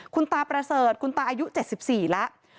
คุณตาประเสริฐคุณตาอายุ๗๔แล้ว